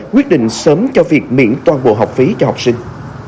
quyết định sớm cho việc miễn toàn bộ học phí cho học sinh